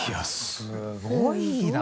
すごいな！